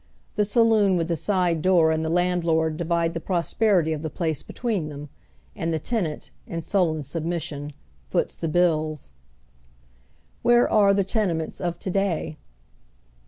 The saloon with the eide door and tlie landlord divide the prosperity of the place be tween them, and the tenant, in sullen submission, foots the bills. Where are the tenements of to day